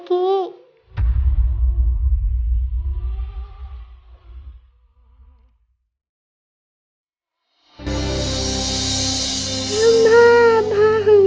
aku gak mau mama periksa